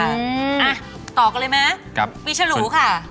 อะต่อกันเลยมั้ยปีฉรูค่ะ